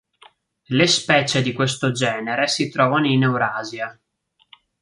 Le specie di questo genere si trovano in Eurasia.